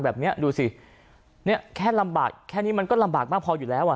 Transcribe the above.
แบบนี้ดูสิเนี่ยแค่ลำบากแค่นี้มันก็ลำบากมากพออยู่แล้วอ่ะ